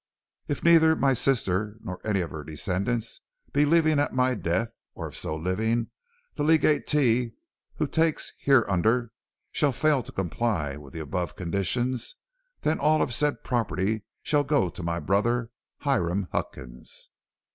If neither my said sister nor any of her descendants be living at my death, or if so living, the legatee who takes hereunder shall fail to comply with the above conditions, then all of said property shall go to my brother, Hiram Huckins.